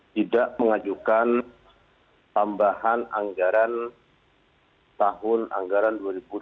tidak mengajukan tambahan anggaran tahun anggaran dua ribu dua puluh